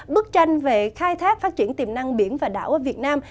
bức tranh về khai thác phát triển tiềm năng biển và đảo ở việt nam